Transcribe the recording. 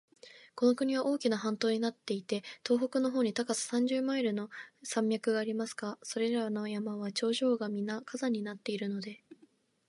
この国は大きな半島になっていて、北東の方に高さ三十マイルの山脈がありますが、それらの山は頂上がみな火山になっているので、